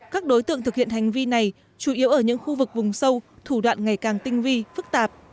các đối tượng thực hiện hành vi này chủ yếu ở những khu vực vùng sâu thủ đoạn ngày càng tinh vi phức tạp